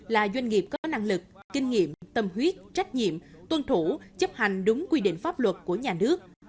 là doanh nghiệp có năng lực kinh nghiệm tâm huyết trách nhiệm tuân thủ chấp hành đúng quy định pháp luật của nhà nước